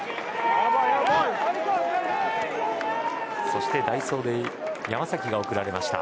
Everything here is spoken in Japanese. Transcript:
そして代走で山崎が送られました。